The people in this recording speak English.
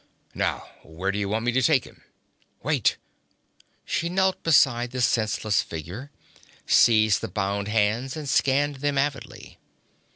Now where do you want me to take him?' 'Wait!' She knelt beside the senseless figure, seized the bound hands and scanned them avidly.